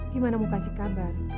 gimana mau kasih kabar